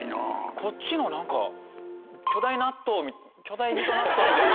こっちの何か巨大納豆巨大水戸納豆みたいな。